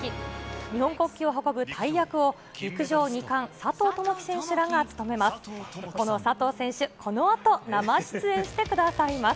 日本国旗を運ぶ大役を陸上２冠、佐藤友祈選手らが務めます。